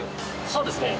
そうですね。